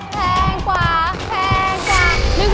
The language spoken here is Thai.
เพิ่มอีก๕พันละซักครั้ง